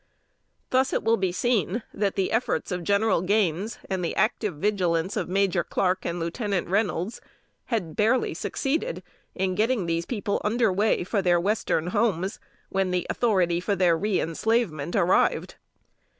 Thus it will be seen, that the efforts of General Gaines, and the active vigilance of Major Clarke and Lieutenant Reynolds, had barely succeeded in getting these people under way for their western homes, when the authority for their reënslavement arrived.